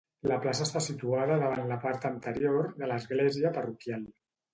La plaça està situada davant la part anterior de l'església parroquial.